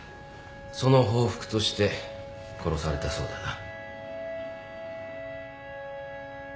その報復として殺されたそうだな。